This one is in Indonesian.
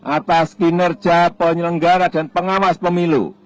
atas kinerja penyelenggara dan pengawas pemilu